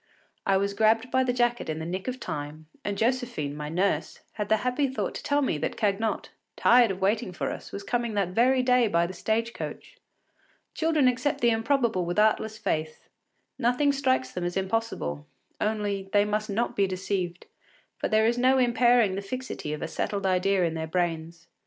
I was grabbed by the jacket in the nick of time, and Josephine, my nurse, had the happy thought to tell me that Cagnotte, tired of waiting for us, was coming that very day by the stage coach. Children accept the improbable with artless faith; nothing strikes them as impossible; only, they must not be deceived, for there is no impairing the fixity of a settled idea in their brains.